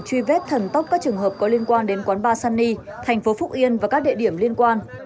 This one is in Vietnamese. truy vết thần tốc các trường hợp có liên quan đến quán ba sunny thành phố phúc yên và các địa điểm liên quan